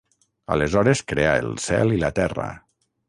Aleshores creà el cel i la terra.